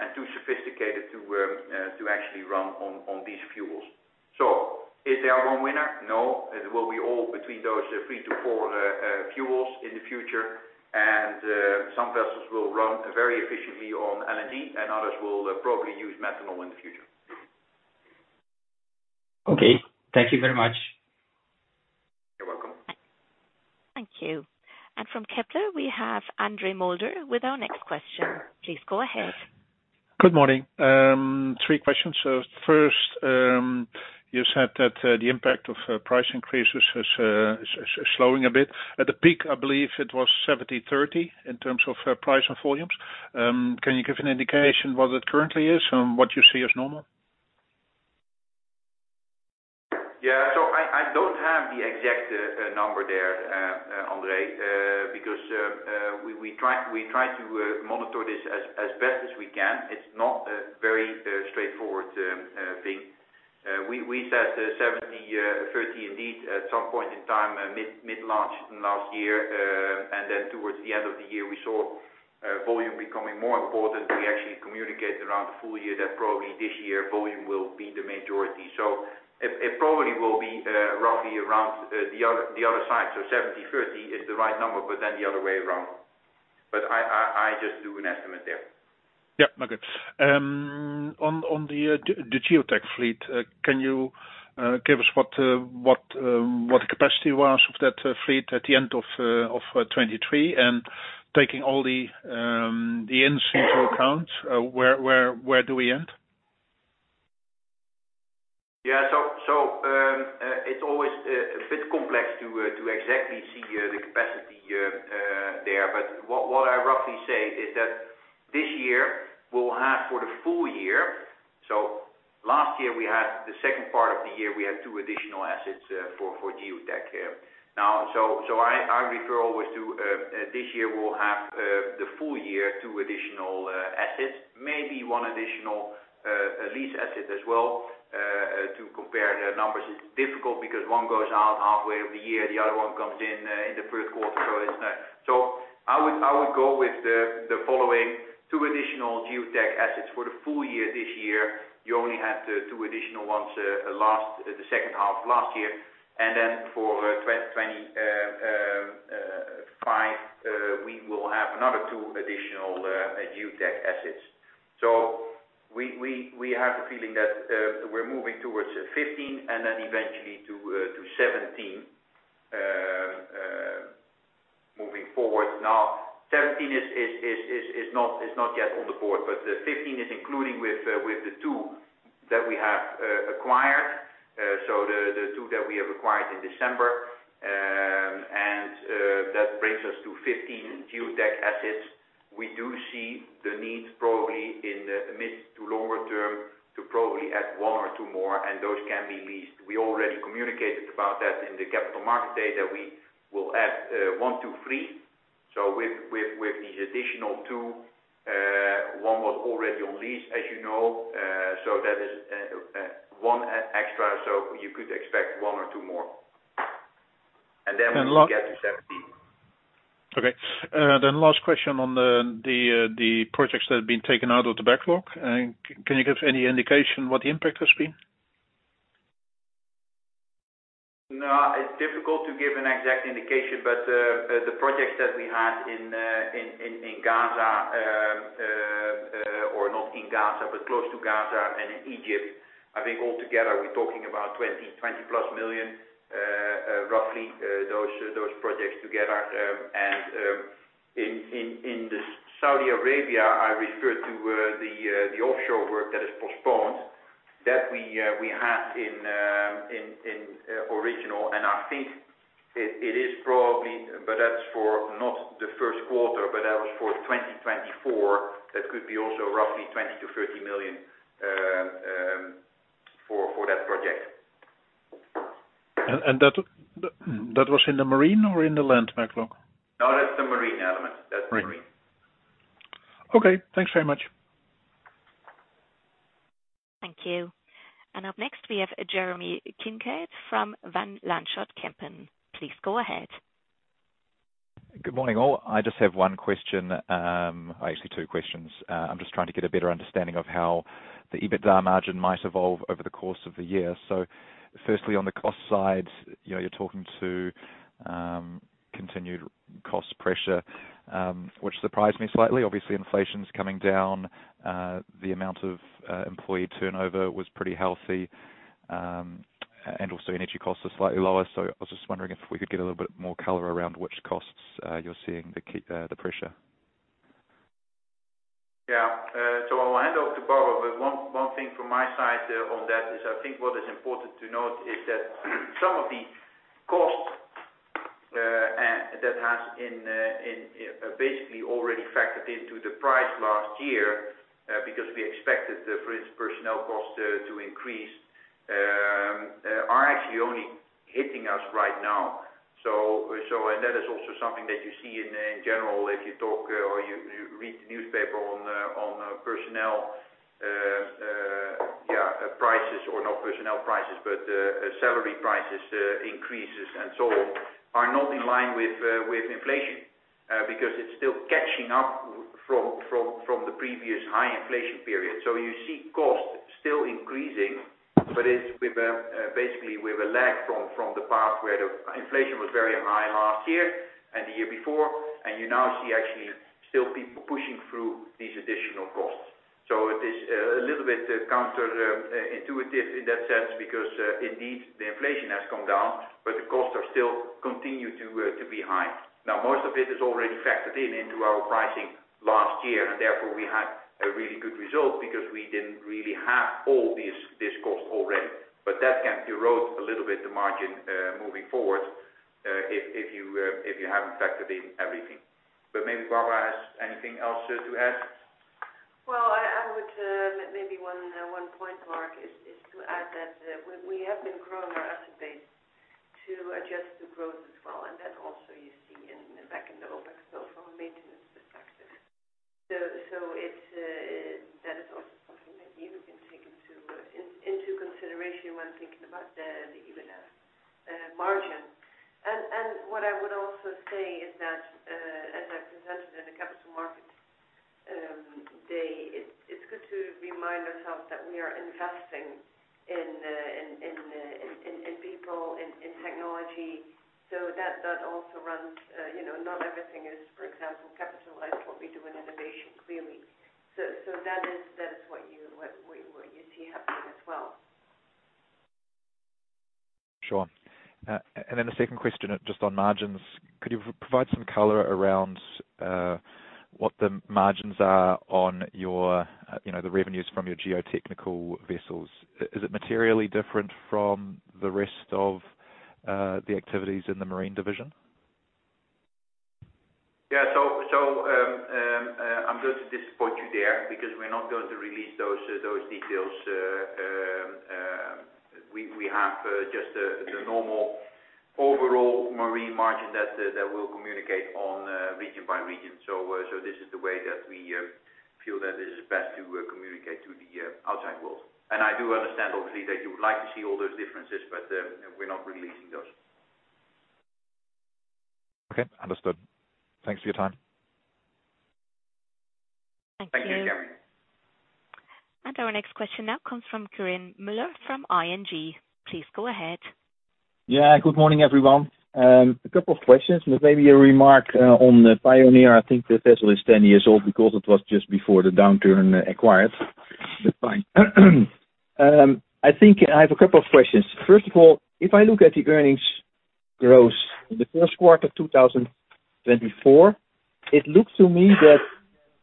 and too sophisticated to actually run on these fuels. So is there one winner? No. It will be all between those 3-4 fuels in the future. And some vessels will run very efficiently on LNG, and others will probably use methanol in the future. Okay. Thank you very much. You're welcome. Thank you. And from Kepler, we have André Mulder with our next question. Please go ahead. Good morning. Three questions. So first, you said that the impact of price increases is slowing a bit. At the peak, I believe it was 70/30 in terms of price and volumes. Can you give an indication what it currently is and what you see as normal? Yeah. So I don't have the exact number there, André, because we try to monitor this as best as we can. It's not a very straightforward thing. We said 70/30 indeed at some point in time, mid-March last year. And then towards the end of the year, we saw volume becoming more important. We actually communicated around the full year that probably this year volume will be the majority. So it probably will be, roughly around, the other side. So 70/30 is the right number, but then the other way around. But I just do an estimate there. Yep. Okay. On the geotech fleet, can you give us what the capacity was of that fleet at the end of 2023? And taking all the ends into account, where do we end? Yeah. So it's always a bit complex to exactly see the capacity there. But what I roughly say is that this year, we'll have for the full year. So last year, we had the second part of the year, we had two additional assets for geotech. Now, I refer always to this year, we'll have the full year, two additional assets, maybe one additional, a lease asset as well, to compare the numbers. It's difficult because one goes out halfway of the year. The other one comes in in the third quarter. So it's not so I would go with the following: two additional geotech assets for the full year this year. You only had two additional ones last the second half of last year. And then for 2025, we will have another two additional geotech assets. So we have the feeling that we're moving towards 15 and then eventually to 17, moving forward. Now, 17 is not yet on the board, but 15 is including the two that we have acquired, so the two that we have acquired in December, and that brings us to 15 geotech assets. We do see the need probably in the mid to longer term to probably add one or two more, and those can be leased. We already communicated about that in the Capital Markets Day that we will add one, two, three. So with these additional two, one was already on lease, as you know, so that is one extra, so you could expect one or two more. And then we get to 17. And lock. Okay. Then, the last question on the projects that have been taken out of the backlog. Can you give any indication what the impact has been? No. It's difficult to give an exact indication, but the projects that we had in Gaza, or not in Gaza, but close to Gaza and in Egypt, I think altogether, we're talking about 20+ million, roughly, those projects together. And in Saudi Arabia, I refer to the offshore work that is postponed that we had in original. And I think it is probably, but that's not for the first quarter, but that was for 2024. That could be also roughly 20 million-30 million for that project. And that was in the marine or in the land backlog? No, that's the marine element. That's the marine. Right. Okay. Thanks very much. Thank you. And up next, we have Jeremy Kincaid from Van Lanschot Kempen. Please go ahead. Good morning, all. I just have one question, actually two questions. I'm just trying to get a better understanding of how the EBITDA margin might evolve over the course of the year. So firstly, on the cost side, you know, you're talking about continued cost pressure, which surprised me slightly. Obviously, inflation's coming down. The amount of employee turnover was pretty healthy, and also energy costs are slightly lower. So I was just wondering if we could get a little bit more color around which costs you're seeing the key pressure. Yeah. So I'll hand over to Barbara. But one thing from my side, on that is I think what is important to note is that some of the cost, that has in, basically already factored into the price last year, because we expected the, for instance, personnel costs, to increase, are actually only hitting us right now. So and that is also something that you see in general if you talk, or you read the newspaper on, personnel, yeah, prices or not personnel prices, but, salary prices, increases and so on, are not in line with inflation, because it's still catching up from the previous high inflation period. So you see costs still increasing, but it's with a, basically, with a lag from the past where the inflation was very high last year and the year before, and you now see actually still people pushing through these additional costs. So it is a little bit counterintuitive in that sense because, indeed, the inflation has come down, but the costs are still continue to be high. Now, most of it is already factored in into our pricing last year, and therefore, we had a really good result because we didn't really have all these costs already. But that can erode a little bit the margin, moving forward, if you haven't factored in everything. But maybe Barbara has anything else to add? Well, I would maybe one point, Mark, is to add that we have been growing our asset base to adjust to growth as well. And that also you see in the OpEx bill from a maintenance perspective. So, that is also something that you can take into consideration when thinking about the EBITDA margin. And what I would also say is that, as I presented in the Capital Markets Day, it's good to remind ourselves that we are investing in people, in technology. So, that also, you know, not everything is, for example, capitalized what we do in innovation, clearly. So, that is what you see happening as well. Sure. And then a second question, just on margins. Could you provide some color around what the margins are on your, you know, the revenues from your geotechnical vessels? Is it materially different from the rest of the activities in the marine division? Yeah. So, I'm going to disappoint you there because we're not going to release those details. We have just the normal overall margin that we'll communicate on, region by region. So this is the way that we feel that this is best to communicate to the outside world. And I do understand, obviously, that you would like to see all those differences, but we're not releasing those. Okay. Understood. Thanks for your time. Thank you. Thank you, Jeremy. And our next question now comes from Quirijn Mulder from ING. Please go ahead. Yeah. Good morning, everyone. A couple of questions. And there may be a remark on the Pioneer. I think the vessel is 10 years old because it was just before the downturn, acquired. But fine. I think I have a couple of questions. First of all, if I look at the earnings growth in the first quarter 2024, it looked to me that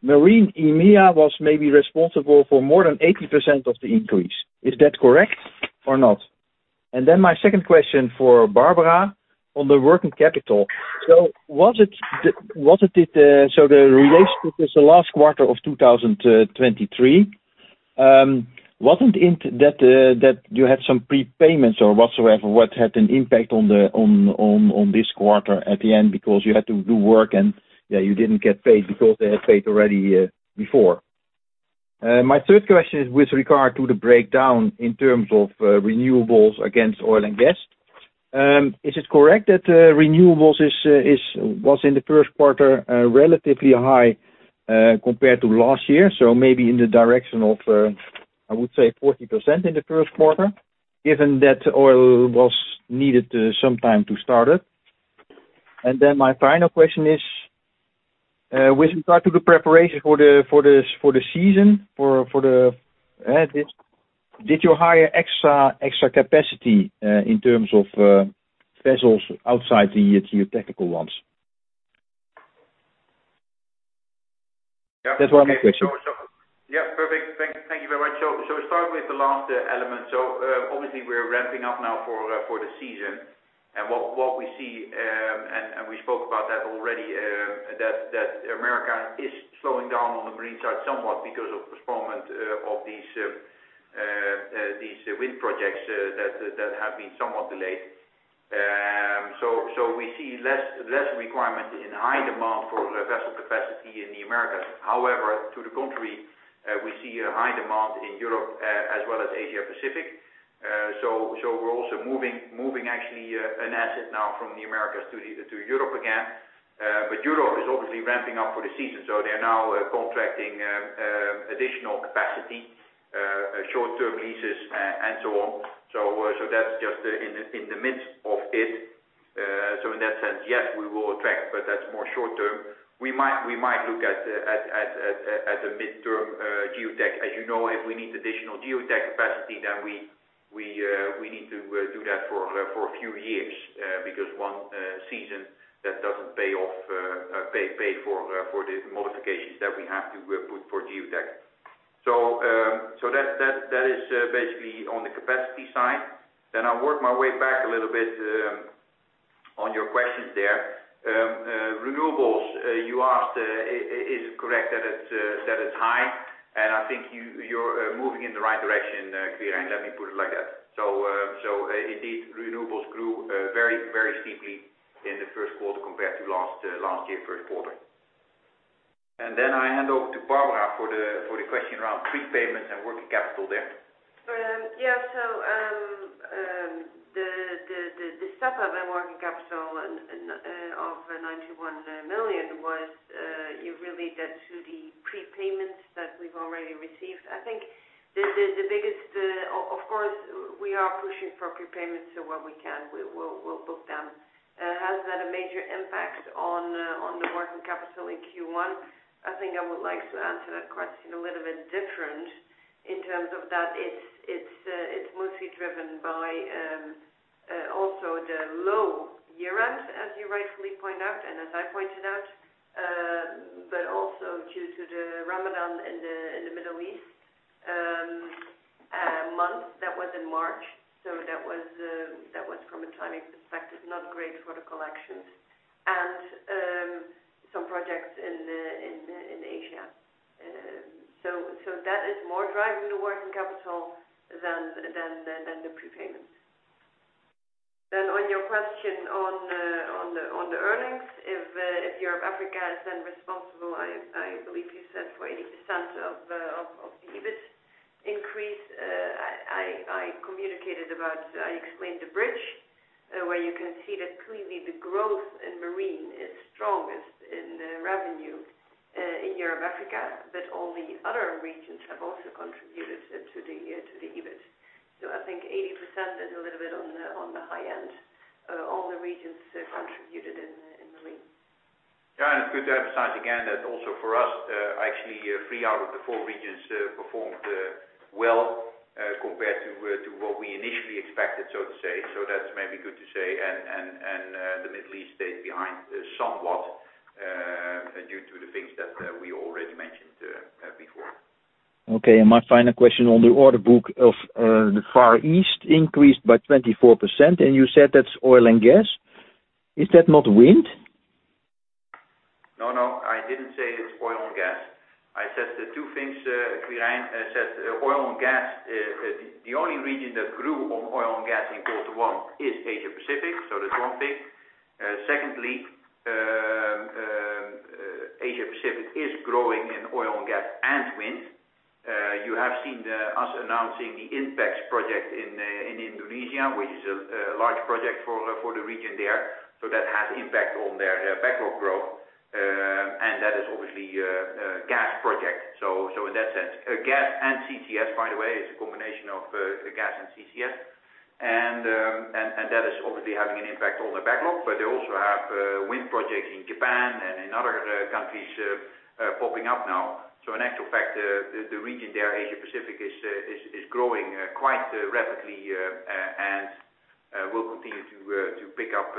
marine EMEA was maybe responsible for more than 80% of the increase. Is that correct or not? And then my second question for Barbara on the working capital. So was it, so the relationship is the last quarter of 2023. Wasn't it that you had some prepayments or whatsoever that had an impact on this quarter at the end because you had to do work and, yeah, you didn't get paid because they had paid already before? My third question is with regard to the breakdown in terms of renewables against oil and gas. Is it correct that renewables was in the first quarter relatively high compared to last year? So maybe in the direction of, I would say 40% in the first quarter given that oil was needed sometime to start it. And then my final question is, with regard to the preparation for the season, did you hire extra capacity in terms of vessels outside the geotechnical ones? Yeah. That's why my question. Yeah. Perfect. Thank you very much. So start with the last element. So, obviously, we're ramping up now for the season. And what we see, and we spoke about that already, that Americas is slowing down on the marine side somewhat because of postponement of these wind projects that have been somewhat delayed. So we see less requirement in high demand for vessel capacity in the Americas. However, to the contrary, we see a high demand in Europe, as well as Asia-Pacific. So we're also moving actually an asset now from the Americas to Europe again. But Europe is obviously ramping up for the season. So they're now contracting additional capacity, short-term leases, and so on. So that's just in the midst of it. So in that sense, yes, we will attract, but that's more short-term. We might look at the midterm, geotech. As you know, if we need additional geotech capacity, then we need to do that for a few years, because one season that doesn't pay off for the modifications that we have to put for geotech. So, that is basically on the capacity side. Then I'll work my way back a little bit on your questions there. Renewables, you asked, is it correct that it's high? And I think you're moving in the right direction, Quirijn. Let me put it like that. So, indeed, renewables grew very steeply in the first quarter compared to last year first quarter. And then I hand over to Barbara for the question around prepayments and working capital there. Yeah. So, the step of the working capital and of 91 million was. You relate that to the prepayments that we've already received? I think the biggest, of course, we are pushing for prepayments as well as we can. We'll book them. Has that a major impact on the working capital in Q1? I think I would like to answer that question a little bit different in terms of that it's mostly driven by also the low year-end, as you rightfully point out and as I pointed out, but also due to the Ramadan in the Middle East month. That was in March. That was from a timing perspective not great for the collections. Some projects in Asia. So that is more driving the working capital than the prepayments. Then on your question on the earnings, if Europe-Africa is then responsible, I communicated about. I explained the bridge, where you can see that clearly the growth in marine is strongest in revenue in Europe-Africa, but all the other regions have also contributed to the EBIT. So I think 80% is a little bit on the high end. All the regions contributed in marine. Yeah. And it's good to emphasize again that also for us, actually, three out of the four regions performed well compared to what we initially expected, so to say. So that's maybe good to say. And the Middle East stayed behind somewhat due to the things that we already mentioned before. Okay. My final question on the order book of the Far East increased by 24%. And you said that's oil and gas. Is that not wind? No, no. I didn't say it's oil and gas. I said the two things Quirijn. I said, oil and gas, the only region that grew on oil and gas in quarter one is Asia-Pacific. So that's one thing. Secondly, Asia-Pacific is growing in oil and gas and wind. You have seen us announcing the Inpex project in Indonesia, which is a large project for the region there. So that has impact on their backlog growth. And that is obviously a gas project. So in that sense, gas and CCS, by the way, is a combination of gas and CCS. And that is obviously having an impact on the backlog. But they also have wind projects in Japan and in other countries popping up now. So in actual fact, the region there, Asia-Pacific, is growing quite rapidly, and will continue to pick up,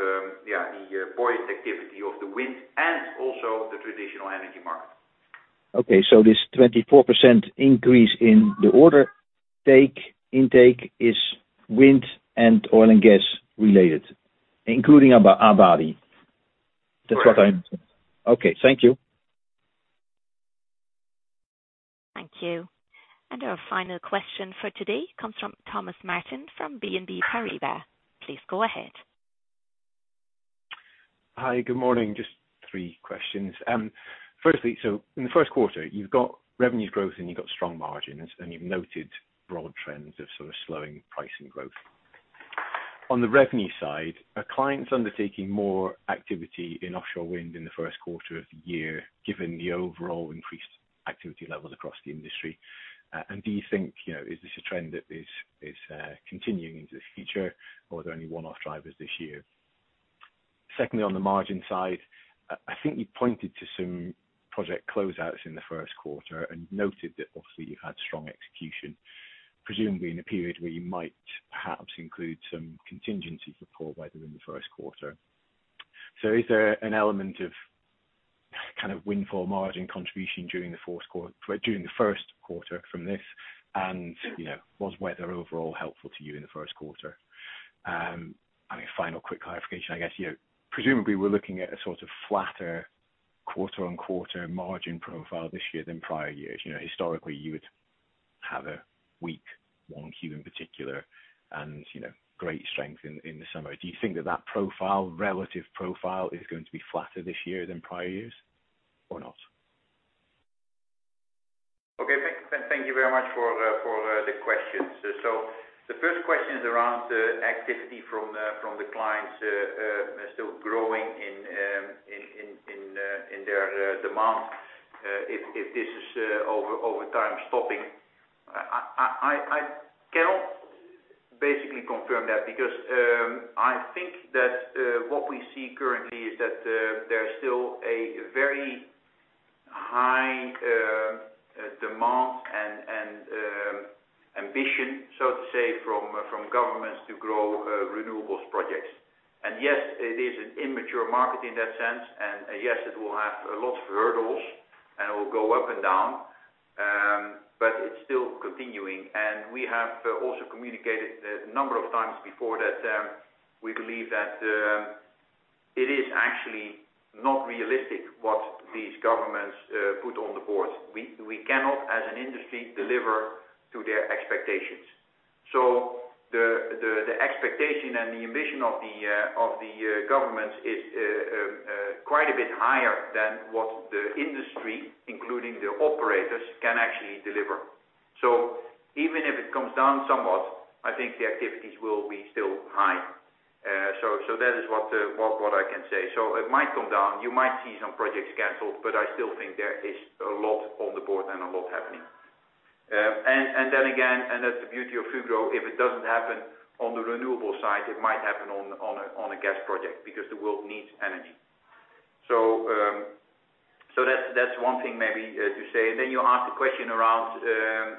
yeah, the buoyant activity of the wind and also the traditional energy market. Okay. So this 24% increase in the order take intake is wind and oil and gas related, including Abadi? That's what I understood. Correct. Okay. Thank you. Thank you. And our final question for today comes from Thomas Martin from BNP Paribas. Please go ahead. Hi. Good morning. Just three questions. Firstly, so in the first quarter, you've got revenues growth, and you've got strong margins, and you've noted broad trends of sort of slowing pricing growth. On the revenue side, are clients undertaking more activity in offshore wind in the first quarter of the year given the overall increased activity levels across the industry? And do you think, you know, is this a trend that is, is, continuing into the future, or are there any one-off drivers this year? Secondly, on the margin side, I think you pointed to some project closeouts in the first quarter and noted that, obviously, you've had strong execution, presumably in a period where you might perhaps include some contingency for poor weather in the first quarter. So is there an element of kind of windfall margin contribution during the fourth quarter during the first quarter from this? And, you know, was weather overall helpful to you in the first quarter? I mean, final quick clarification, I guess. You know, presumably, we're looking at a sort of flatter quarter-on-quarter margin profile this year than prior years. You know, historically, you would have a weak Q1 in particular and, you know, great strength in the summer. Do you think that that profile relative profile is going to be flatter this year than prior years or not? Okay. Thank you very much for the questions. So the first question is around activity from the clients still growing in their demand. If this is over time stopping? I cannot basically confirm that because I think that what we see currently is that there's still a very high demand and ambition, so to say, from governments to grow renewables projects. And yes, it is an immature market in that sense. And yes, it will have a lot of hurdles, and it will go up and down. But it's still continuing. And we have also communicated a number of times before that we believe that it is actually not realistic what these governments put on the board. We cannot, as an industry, deliver to their expectations. So the expectation and the ambition of the governments is quite a bit higher than what the industry, including the operators, can actually deliver. So even if it comes down somewhat, I think the activities will be still high. So that is what I can say. So it might come down. You might see some projects canceled, but I still think there is a lot on the board and a lot happening. And then again, that's the beauty of Fugro. If it doesn't happen on the renewable side, it might happen on a gas project because the world needs energy. So that's one thing maybe to say. And then you asked a question around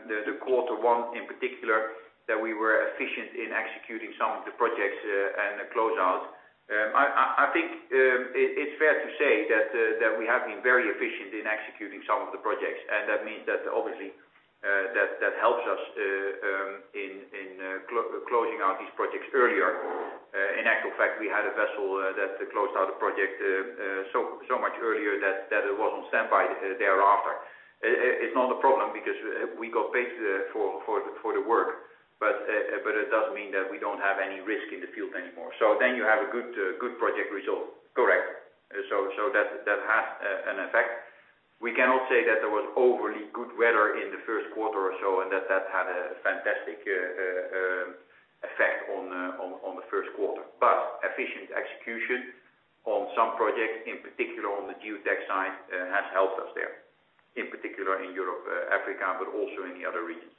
the quarter one in particular that we were efficient in executing some of the projects and the closeouts. I think it's fair to say that we have been very efficient in executing some of the projects. And that means that, obviously, that helps us in closing out these projects earlier. In actual fact, we had a vessel that closed out a project so much earlier that it was on standby thereafter. It's not a problem because we got paid for the work. But it does mean that we don't have any risk in the field anymore. So then you have a good project result. Correct. So that has an effect. We cannot say that there was overly good weather in the first quarter or so and that that had a fantastic effect on the first quarter. But efficient execution on some projects, in particular on the geotech side, has helped us there, in particular in Europe-Africa, but also in the other regions.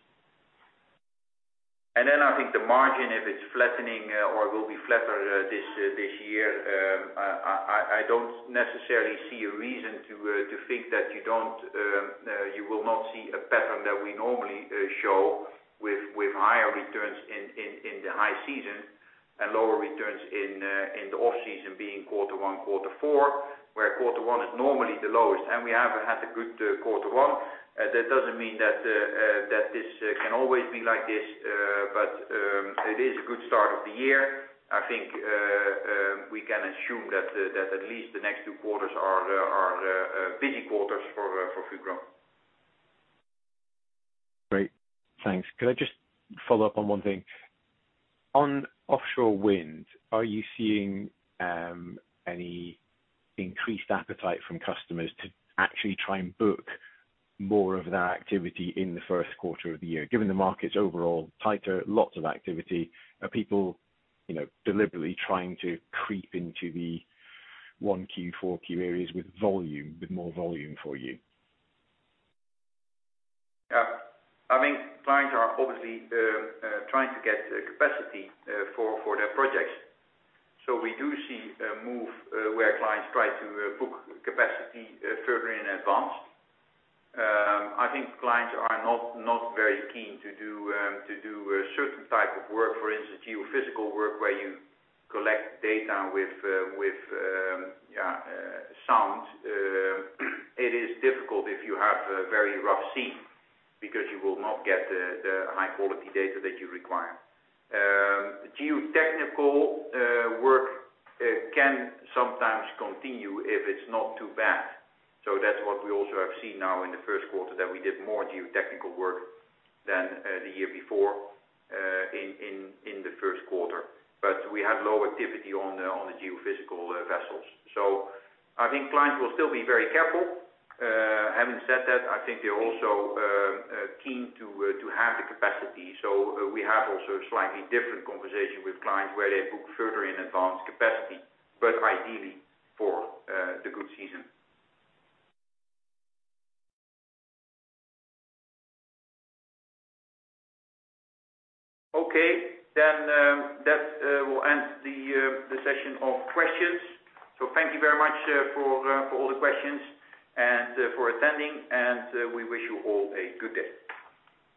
And then I think the margin, if it's flattening or will be flatter this year, I don't necessarily see a reason to think that you will not see a pattern that we normally show with higher returns in the high season and lower returns in the off-season being quarter one, quarter four, where quarter one is normally the lowest. And we have had a good quarter one. That doesn't mean that this can always be like this, but it is a good start of the year. I think we can assume that at least the next two quarters are busy quarters for Fugro. Great. Thanks. Could I just follow up on one thing? On offshore wind, are you seeing any increased appetite from customers to actually try and book more of that activity in the first quarter of the year? Given the market's overall tighter lots of activity, are people, you know, deliberately trying to creep into the Q1, Q4 areas with volume with more volume for you? Yeah. I mean, clients are obviously trying to get capacity for their projects. So we do see a move where clients try to book capacity further in advance. I think clients are not very keen to do certain type of work. For instance, geophysical work where you collect data with sound, it is difficult if you have very rough sea because you will not get the high-quality data that you require. Geotechnical work can sometimes continue if it's not too bad. So that's what we also have seen now in the first quarter, that we did more geotechnical work than the year before in the first quarter. But we had low activity on the geophysical vessels. So I think clients will still be very careful. Having said that, I think they're also keen to have the capacity. So we have also a slightly different conversation with clients where they book further in advance capacity, but ideally for the good season. Okay. Then that will end the session of questions. So thank you very much for all the questions and for attending. And we wish you all a good day.